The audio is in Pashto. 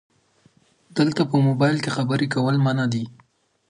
دلته په مبایل کې خبرې کول منع دي 📵